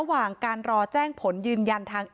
พี่สาวบอกว่าไม่ได้ไปกดยกเลิกรับสิทธิ์นี้ทำไม